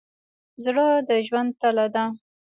زړه د ژوند تله ده.